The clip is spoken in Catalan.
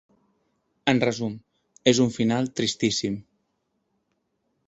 En resum, és un final tristíssim.